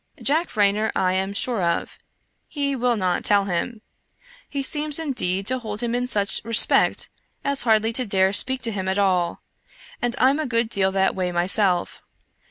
Jack Raynor I am sure of — he will not tell him. He seems, indeed, to hold him in such respect as hardly to dare speak to him at all, and I'm a good deal that way myself.